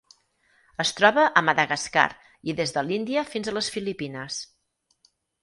Es troba a Madagascar i des de l'Índia fins a les Filipines.